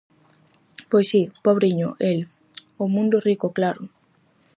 Pois si, pobriño el, o mundo rico claro.